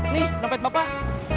nih dompet bapak